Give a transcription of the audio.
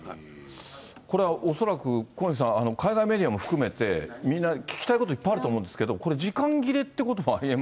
これは恐らく、小西さん、海外メディアも含めて、みんな聞きたいこと、いっぱいあると思うんですけど、これ、時間切れってこともありえ